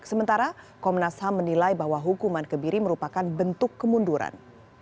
sementara komnas ham menilai bahwa hukuman kebiri merupakan bentuk kemunduran